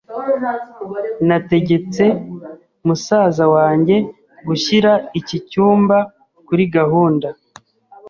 Nategetse musaza wanjye gushyira iki cyumba kuri gahunda.